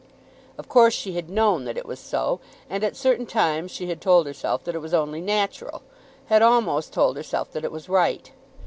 Of course she had known that it was so, and at certain times she had told herself that it was only natural, had almost told herself that it was right.